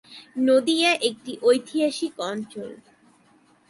নদিয়া একটি ঐতিহাসিক অঞ্চল।